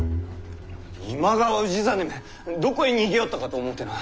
今川氏真めどこへ逃げおったかと思うてな。